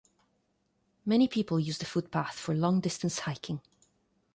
Many people use the footpath for long-distance hiking.